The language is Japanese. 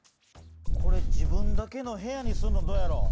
これ自分だけの部屋にするのどうやろう？